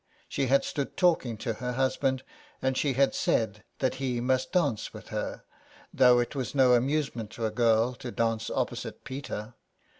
She had stood talking to her husband, and she had said that he must dance with her, though it was no amusement to a girl to dance opposite Peter.